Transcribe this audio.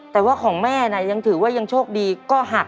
แต่ว่าของแม่ยังถือว่ายังโชคดีก็หัก